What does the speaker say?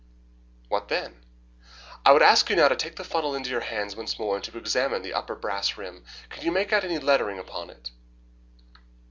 "What then?" "I would ask you now to take the funnel into your hands once more and to examine the upper brass rim. Can you make out any lettering upon it?"